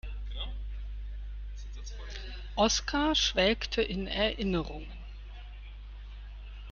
Oskar schwelgte in Erinnerungen.